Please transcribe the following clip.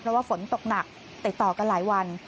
เพราะว่าฝนตกหนักติดต่อกันหลายวัน